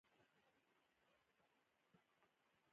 دا د ټولنیز جبر وهلي او حساس خلک دي.